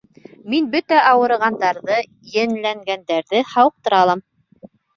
Мин бөтә ауырығандарҙы, енләнгәндәрҙе һауыҡтыра алам.